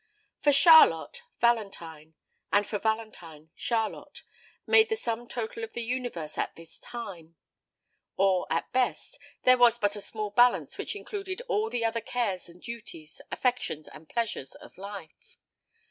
For Charlotte, Valentine and for Valentine, Charlotte made the sum total of the universe at this time; or, at best, there was but a small balance which included all the other cares and duties, affections and pleasures, of life.